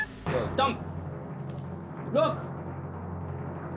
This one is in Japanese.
ドン！